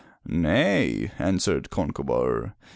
"Nay," answered Concobar.